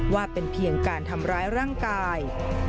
ว่าเป็นเพียงการทำร้ายร่างกาย